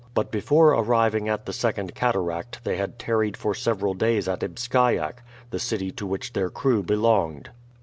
But before arriving at the second cataract they had tarried for several days at Ibsciak, the city to which their crew belonged.